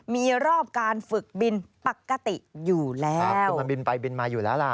มีรอบการฝึกบินปกติอยู่แล้วครับคือมันบินไปบินมาอยู่แล้วล่ะ